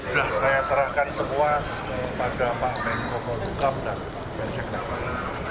saya serahkan semua kepada m menko polhukam dan men sesnek